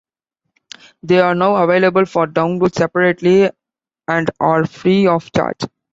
They are now available for download separately and are free of charge.